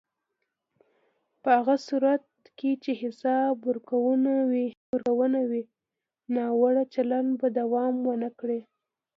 په هغه صورت کې چې حساب ورکونه وي، ناوړه چلند به دوام ونه کړي.